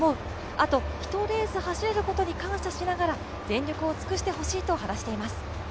あと１レース走れることに感謝しながら全力を尽くしてほしいと話しています。